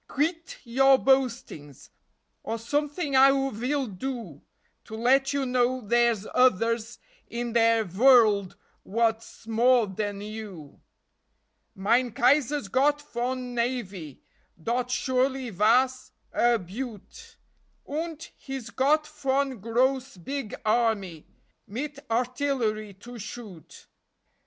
Kvit your boastings, Or someting I vill do To let you know dere's oders in De vorld what's more den you. Mine Kaiser's got von navy Dot surely vas a beaut. Unt he's got von gross big army, Mit artillery to shoot.